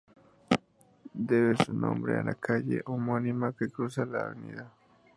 Debe su nombre a la calle homónima, que cruza la Av.